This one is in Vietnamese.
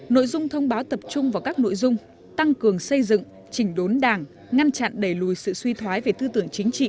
nội dung thông báo tập trung vào các nội dung tăng cường xây dựng chỉnh đốn đảng ngăn chặn đẩy lùi sự suy thoái về tư tưởng chính trị